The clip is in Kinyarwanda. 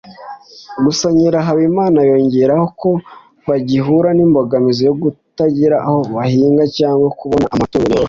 Gusa Nyirahabimana yongeraho ko bagihura n’imbogamizi yo kutagira aho bahinga cyangwa kubona amatungo borora